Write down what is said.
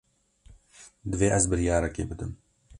Divê ez biryarekê bidim.